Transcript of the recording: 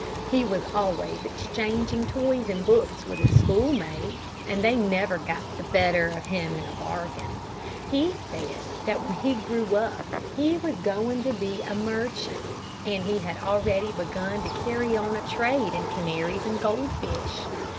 He was always exchanging toys and books with his schoolmates, and they never got the better of him in a bargain. He said that when he grew up he was going to be a merchant, and he had already begun to carry on a trade in canaries and goldfish.